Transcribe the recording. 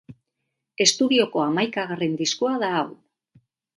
Estudioko hamaikagarren diskoa da hau.